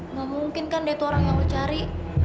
nggak mungkin kan dia tuh orang yang lo cari